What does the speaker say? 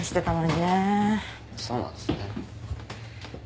そうなんですね。